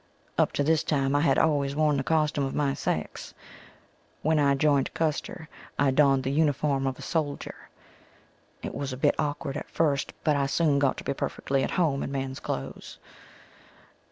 Up to this time I had always worn the costume of my sex. When I joined Custer I donned the uniform of a soldier. It was a bit awkward at first but I soon got to be perfectly at home in men's clothes.